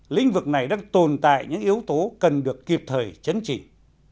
lĩnh vực này đang tồn tại những yếu tố cần được kịp thời chấn chỉnh